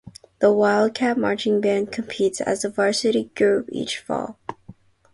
The Wildcat Marching Band competes as a varsity group each fall.